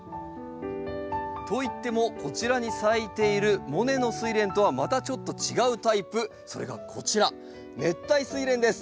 といってもこちらに咲いているモネのスイレンとはまたちょっと違うタイプそれがこちら熱帯スイレンです。